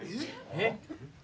えっ？